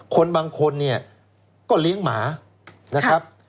คนบางคนเนี่ยก็เลี้ยงหมานะครับ